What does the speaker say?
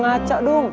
gue jadi ikutan telat